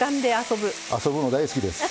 遊ぶの大好きです。